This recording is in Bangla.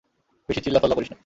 বেশি চিল্লাফাল্লা করিস না।